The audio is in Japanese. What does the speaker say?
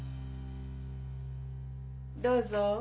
どうぞ。